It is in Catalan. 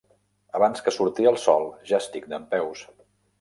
Abans que surti el sol ja estic dempeus.